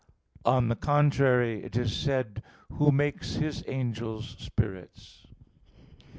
On the contrary, It is said (Ps. 103:4): "Who makes His angels spirits."